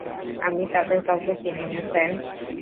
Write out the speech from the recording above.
আমি তাদের কাউকে চিনি না, স্যার।